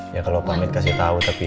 ya kalau pamit kasih tau tapi ya